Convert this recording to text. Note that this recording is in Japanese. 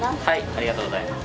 ありがとうございます。